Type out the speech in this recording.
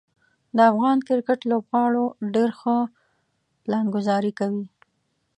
د افغان کرکټ لوبغاړو ډیر ښه پلانګذاري کوي.